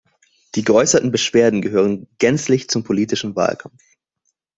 Die geäußerten Beschwerden gehören gänzlich zum politischen Wahlkampf.